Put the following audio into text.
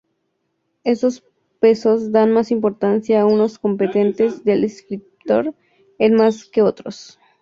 Estos pesos dan más importancia a unos componentes del descriptor en más que otros.